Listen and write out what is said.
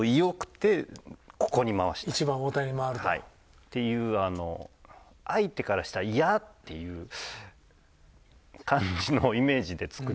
っていうあの相手からしたらイヤっていう感じのイメージで作りました。